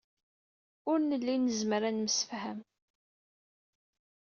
Ur nelli nezmer ad nemsefham.